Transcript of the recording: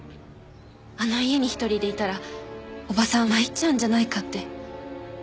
あの家に一人でいたら伯母さん参っちゃうんじゃないかって。